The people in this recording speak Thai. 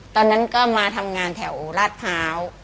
ตอนนั้นก็มาทำงานแถวราชพร้าว